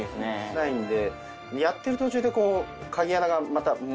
ないんで。